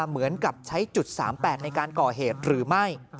เหมือนกับใช้จุด๓๘ในการก่อเหตุหรือไม่